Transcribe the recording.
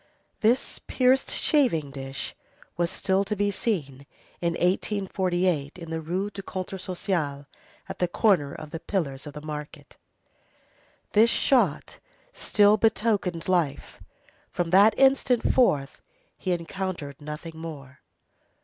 This pierced shaving dish was still to be seen in 1848, in the Rue du Contrat Social, at the corner of the pillars of the market. This shot still betokened life. From that instant forth he encountered nothing more.